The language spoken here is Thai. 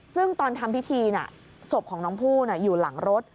ซึ่งตอนทำพิธีศพของน้องผู้อยู่หลังรถ